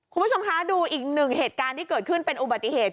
คุณผู้ชมคะดูอีกหนึ่งเหตุการณ์ที่เกิดขึ้นเป็นอุบัติเหตุ